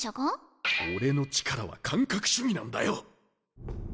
俺の力は感覚主義なんだよ！